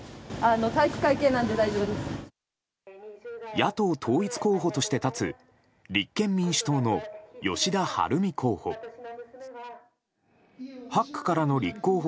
野党統一候補として立つ立憲民主党の吉田晴美候補。